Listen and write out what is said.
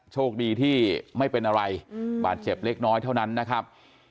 โชคดีที่ไม่เป็นอะไรบาดเจ็บเล็กน้อยเท่านั้นนะครับ